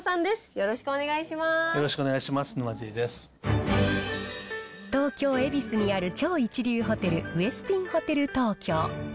よろしくよろしくお願いします、沼尻東京・恵比寿にある超一流ホテル、ウェスティンホテル東京。